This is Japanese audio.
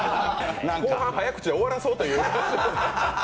後半、早口で終わらそうという。